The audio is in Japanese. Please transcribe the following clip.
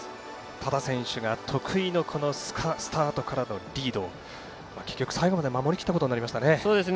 多田選手が得意のスタートからのリードを結局最後まで守りきりましたね。